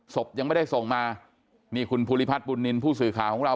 ศพยังไม่ได้ส่งมานี่คุณภูริพัฒน์บุญนินทร์ผู้สื่อข่าวของเรา